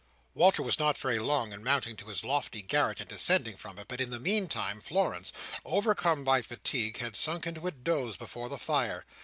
Walter was not very long in mounting to his lofty garret and descending from it, but in the meantime Florence, overcome by fatigue, had sunk into a doze before the fire.